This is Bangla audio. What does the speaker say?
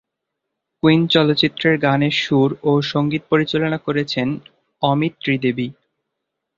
কুইন চলচ্চিত্রের গানের সুর ও সঙ্গীত পরিচালনা করেছেন অমিত ত্রিবেদী।